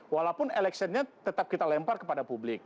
walaupun electionnya tetap kita lempar kepada publik